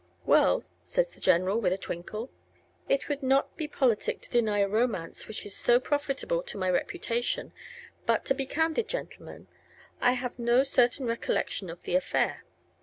"Well," sayes the General with a Twinkle, "it wolde not be Politick to denye a Romance w'ch is soe profitable to my Reputation, but to be Candid, Gentlemenn, I have no certain recollection of the Affaire.